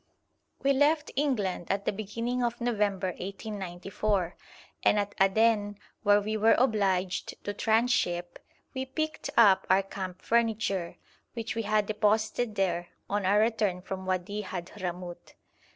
We left England at the beginning of November 1894, and at Aden, where we were obliged to tranship, we picked up our camp furniture, which we had deposited there on our return from Wadi Hadhramout.